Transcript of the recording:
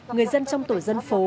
người dân trong tổ dân phố